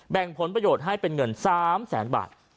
แบ่งผลประโยชน์ให้เป็นเงิน๓๐๐๐๐๐บาท